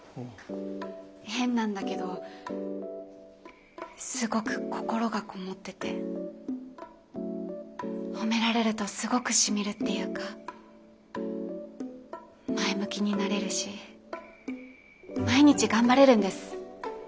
変なんだけどすごく心がこもってて褒められるとすごくしみるっていうか前向きになれるし毎日頑張れるんです。